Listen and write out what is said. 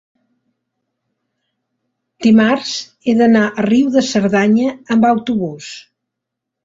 dimarts he d'anar a Riu de Cerdanya amb autobús.